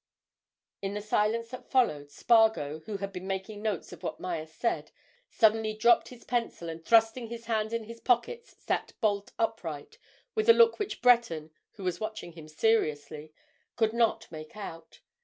In the silence that followed, Spargo, who had been making notes of what Myerst said, suddenly dropped his pencil and thrusting his hands in his pockets sat bolt upright with a look which Breton, who was watching him seriously, could not make out.